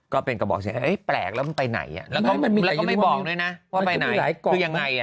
ก็เป็นกระบอกแสงเอ๊ะแปลกแล้วมันไปไหน